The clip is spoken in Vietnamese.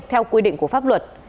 theo quy định của pháp luật